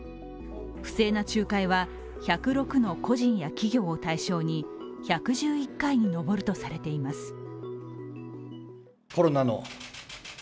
不正な仲介は１０６の個人や企業を対象に１１１回に上るとされています。